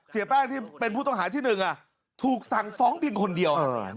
เสียแป้งที่เป็นผู้ต้องหาที่๑ถูกสั่งฟ้องเพียงคนเดียว